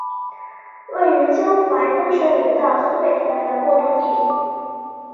位于江淮分水岭到苏北平原过度地。